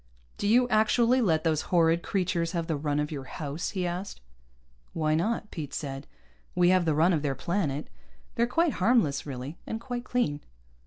"Do you actually let those horrid creatures have the run of your house?" he asked. "Why not?" Pete said. "We have the run of their planet. They're quite harmless, really. And quite clean."